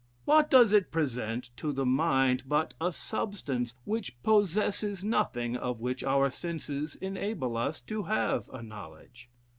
What does it present to the mind but a substance which possesses nothing of which our senses enable us to have a knowledge?